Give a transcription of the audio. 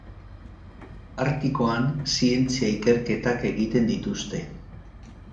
Artikoan zientzia ikerketak egiten dituzte.